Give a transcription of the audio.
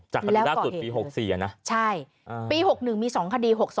จากประตูหน้าสุดปี๖๔นะแล้วก่อเหตุใช่ปี๖๑มี๒คดี